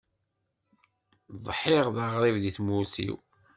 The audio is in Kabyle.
Ḍḥiɣ d aɣrib di tmurt-iw.